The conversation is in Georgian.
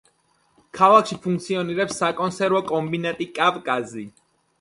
ქალაქში ფუნქციონირებს საკონსერვო კომბინატი „კავკაზი“.